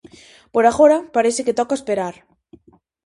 Por agora parece que toca esperar.